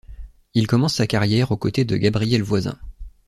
Il commence sa carrière aux côtés de Gabriel Voisin.